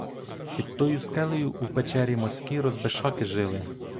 Під тою скелею у печері морські розбишаки жили.